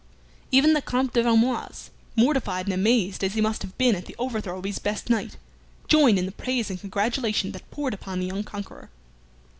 Even the Comte de Vermoise, mortified and amazed as he must have been at the overthrow of his best knight, joined in the praise and congratulation that poured upon the young conqueror.